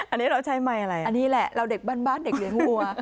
อันนี้เราใช้ไมค์อะไรอันนี้แหละเราเด็กบ้านเด็กเลี้ยงวัว